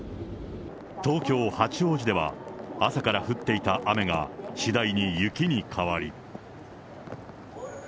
東京・八王子では、朝から降っていた雨が次第に雪に変わり。